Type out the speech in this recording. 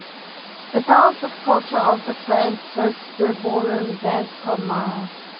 The Palace of Culture of the plant hosts the ballroom Dance Club Mara.